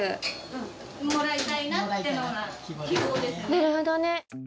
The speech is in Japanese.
なるほどね。